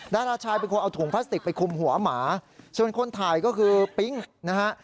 ดาราชายเป็นคนเอาถุงพลาสติกไปคุมหัวหมาส่วนคนถ่ายก็คือปิ๊งนะฮะ